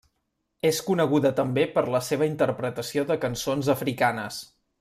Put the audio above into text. És coneguda també per la seva interpretació de cançons africanes.